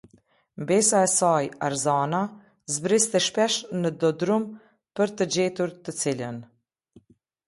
Mbesa e saj, Arzana, zbriste shpesh në dodrum për të gjetur të cilën.